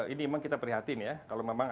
ini memang kita prihatin ya kalau memang